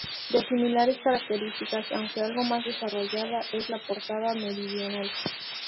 De similares características, aunque algo más desarrollada, es la portada meridional.